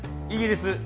イギリス